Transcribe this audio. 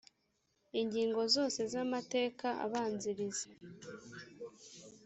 ingingo zose z amateka abanziriza